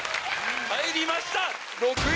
入りました。